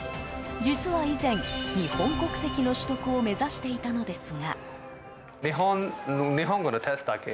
実は以前、日本国籍の取得を目指していたのですが。